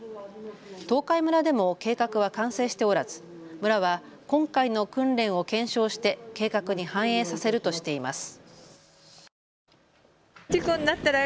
東海村でも計画は完成しておらず村は今回の訓練を検証して計画に反映させるとしています。